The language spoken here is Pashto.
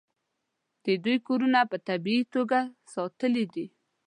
د دوی کورونه په طبیعي توګه ساتلي دي.